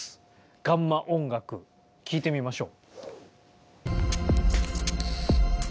ガンマ音楽聴いてみましょう。